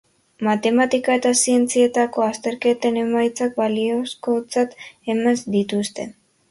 Matematika eta zientzietako azterketen emaitzak baliozkotzat eman dituzte.